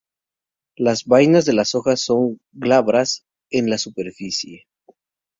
Las vainas de las hojas son glabras en la superficie.